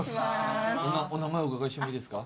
お名前お伺いしてもいいですか？